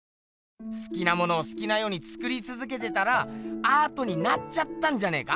すきなものをすきなようにつくりつづけてたらアートになっちゃったんじゃねえか？